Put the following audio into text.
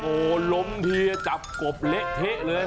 โอ้โหล้มทีจับกบเละเทะเลย